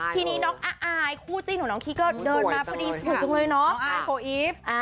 ทีนี้น้องอาอายคู่จิ้นของน้องคิกเกอร์เดินมาพอดีสวยจังเลยเนอะ